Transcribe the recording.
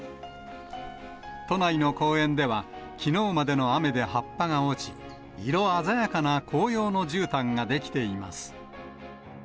都内の公園ではきのうまでの雨で葉っぱが落ち、色鮮やかな紅葉のじゅうたんが出来ています。